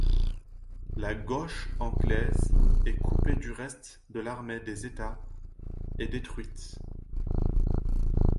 La gauche anglaise est coupée du reste de l'armée des États et détruite.